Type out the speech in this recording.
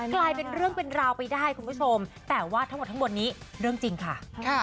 กลายเป็นเรื่องเป็นราวไปได้คุณผู้ชมแต่ว่าทั้งหมดทั้งหมดนี้เรื่องจริงค่ะ